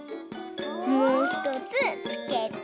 もうひとつつけて。